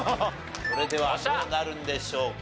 それではどうなるんでしょうか？